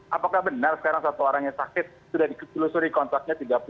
apakah benar sekarang satu orang yang sakit sudah ditelusuri kontraknya tiga puluh